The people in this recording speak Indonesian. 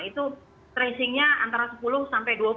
itu tracingnya antara sepuluh sampai dua puluh